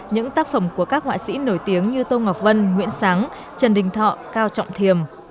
những tác phẩm của các họa sĩ nổi tiếng như tô ngọc vân nguyễn sáng trần đình thọ cao trọng thiềm